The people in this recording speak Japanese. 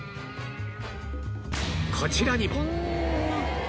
こちらにも